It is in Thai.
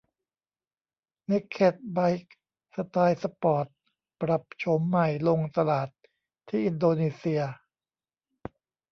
เนกเคดไบค์สไตล์สปอร์ตปรับโฉมใหม่ลงตลาดที่อินโดนีเซีย